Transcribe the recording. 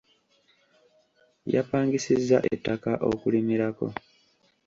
Yapangisizza ettaka okulimirako.